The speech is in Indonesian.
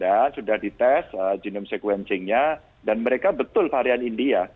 dan sudah di tes genome sequencingnya dan mereka betul varian india